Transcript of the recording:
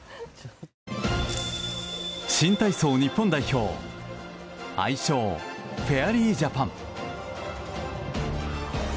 新体操日本代表愛称、フェアリージャパン。